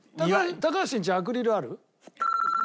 高橋んちアクリルある？